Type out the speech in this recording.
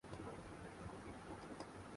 یہ ایسا ہی ایک خوشگوار دن تھا۔